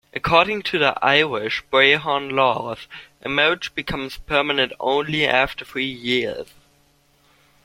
According to Irish "Brehon Laws," a marriage becomes permanent only after three years.